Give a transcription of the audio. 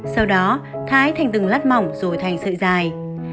sau đó thái thành từng lát mỏng rồi thành sợi dài